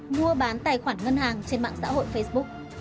mua bán tài khoản ngân hàng trên mạng xã hội facebook